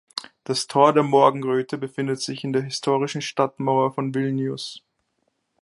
Das Tor der Morgenröte befindet sich in der historischen Stadtmauer von Vilnius.